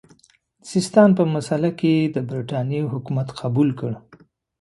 د سیستان په مسئله کې یې د برټانیې حکمیت قبول کړ.